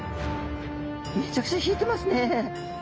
めちゃくちゃ引いてますね。